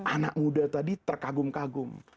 anak muda tadi terkagum kagum